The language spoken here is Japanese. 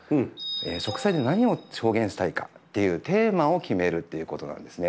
植栽で何を表現したいかっていうテーマを決めるっていうことなんですね。